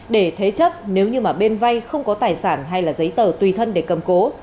để thế chấp nếu như bên vay không có tài sản hay giấy tờ tùy thân để cầm cố